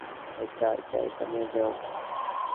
এটা, এটা নিয়ে যাও।